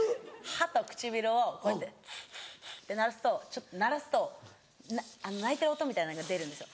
歯と唇をこうやってスススって鳴らすとちょっと鳴らすと泣いてる音みたいなのが出るんですよ。